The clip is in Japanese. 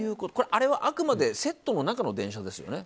あれは、あくまでセットの中の電車ですよね。